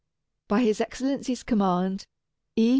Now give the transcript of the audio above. By his Excellency's command, E.